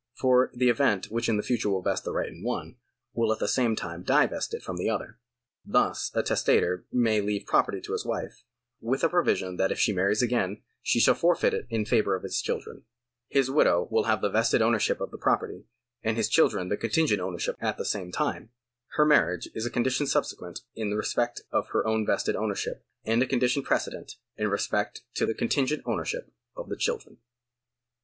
For the event which in the future will vest the right in the one, will at the same time divest it from the other. Thus a testator may leave property to his wife, with a pro 1 On investitive and divestitive facts, see chapter xvi., § 120. § 92] OWNERSHIP 235 vision that if she marries again, she shall forfeit it in favour of his children. His widow will have the vested ownership of the property, and his children the contingent ownership at the same time. Her marriage is a condition subsequent in respect of her own vested ownership, and a condition prece dent in respect of the contingent ownership of the children.